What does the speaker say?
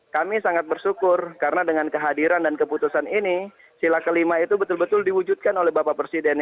kami sangat bersyukur karena dengan kehadiran dan keputusan ini sila kelima itu betul betul diwujudkan oleh bapak presiden